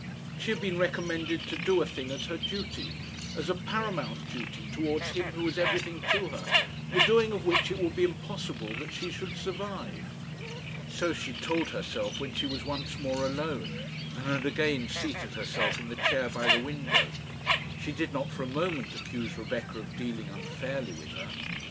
She had been recommended to do a thing as her duty as a paramount duty towards him who was everything to her the doing of which it would be impossible that she should survive. So she told herself when she was once more alone, and had again seated herself in the chair by the window. She did not for a moment accuse Rebecca of dealing unfairly with her.